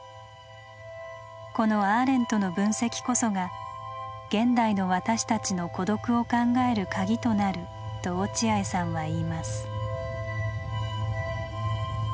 このアーレントの分析こそが現代の私たちの「孤独」を考えるカギとなると落合さんは言います。